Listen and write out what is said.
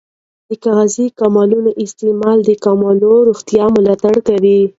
د غذایي ماکملونو استعمال د کولمو روغتیا ملاتړ کوي.